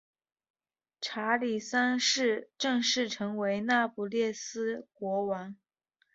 查理三世正式成为那不勒斯国王。